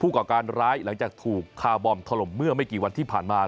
ก่อการร้ายหลังจากถูกคาร์บอมถล่มเมื่อไม่กี่วันที่ผ่านมา